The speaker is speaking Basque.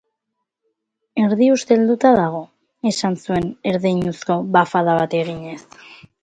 Erdi ustelduta dago, esan zuen, erdeinuzko bafada bat eginez.